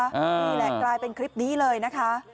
นี่แหละกลายเป็นคลิปนี้เลยนะคะ